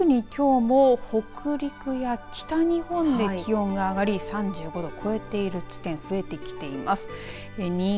特にきょうも北陸や北日本で気温が上がり３５度を超えている地点、増えてきています。